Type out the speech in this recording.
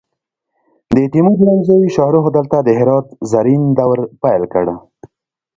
د تیمور لنګ زوی شاهرخ دلته د هرات زرین دور پیل کړ